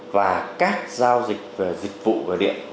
và các giao dịch về dịch vụ về điện